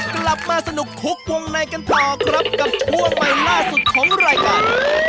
กลับมาสนุกคุกวงในกันต่อครับกับช่วงใหม่ล่าสุดของรายการ